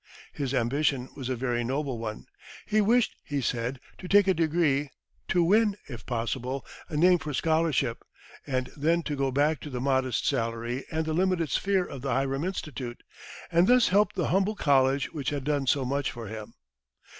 His ambition was a very noble one. He wished, he said, to take a degree, to win, if possible, a name for scholarship; and then to go back to the modest salary and the limited sphere of the Hiram Institute, and thus help the humble college which had done so much for him.